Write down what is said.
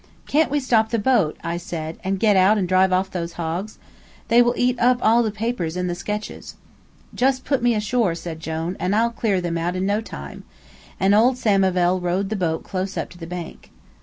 "Can't we stop the boat," I said, "and get out and drive off those hogs? They will eat up all the papers and sketches." "Just put me ashore," said Jone, "and I'll clear them out in no time;" and old Samivel rowed the boat close up to the bank.